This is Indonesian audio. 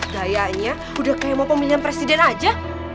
kayaknya udah kayak mau pemilihan presiden aja